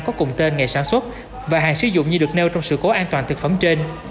có cùng tên nghề sản xuất và hàng sử dụng như được nêu trong sự cố an toàn thực phẩm trên